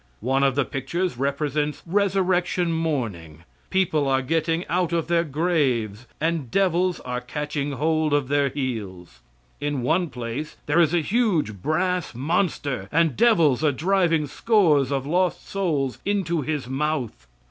One of the pictures represents resurrection morning. People are getting out of their graves, and devils are catching hold of their heels. In one place there is a huge brass monster, and devils are driving scores of lost souls into his mouth.